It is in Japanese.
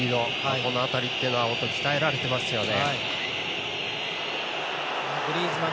この辺りっていうのは鍛えられていますよね。